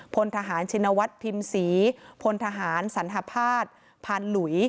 พลทหารชินวัฒน์พิมศรีพลทหารสัณภาพภัณฑ์หลุย